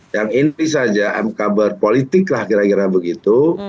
yang ini saja mk berpolitik lah kira kira begitu